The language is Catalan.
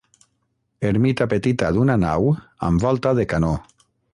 Ermita petita d'una nau amb volta de canó.